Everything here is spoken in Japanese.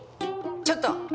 ちょっと。